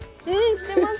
してます。